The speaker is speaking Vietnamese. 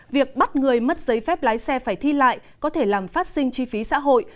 việc bắt người mất giấy phép lái xe phải thi lại có thể làm phát sinh chi phí xã hội